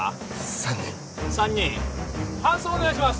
３人３人搬送お願いします